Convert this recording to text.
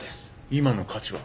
今の価値は？